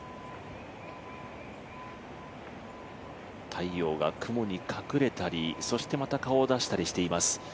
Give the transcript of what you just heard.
太陽が雲に隠れたり、そしてまた顔を出したりしています。